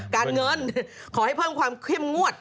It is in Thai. การเงินขอให้เพิ่มความเข้มงวด